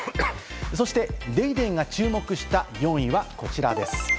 そして『ＤａｙＤａｙ．』が注目した４位はこちらです。